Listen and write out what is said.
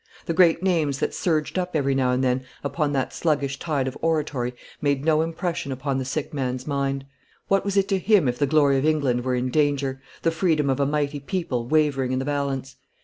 The great names that surged up every now and then upon that sluggish tide of oratory made no impression upon the sick man's mind. What was it to him if the glory of England were in danger, the freedom of a mighty people wavering in the balance?